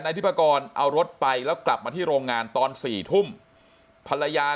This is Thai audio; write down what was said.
ทิพกรเอารถไปแล้วกลับมาที่โรงงานตอน๔ทุ่มภรรยา